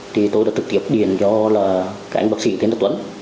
thì tôi đã thực tiệp điền cho anh bác sĩ thiên đức tuấn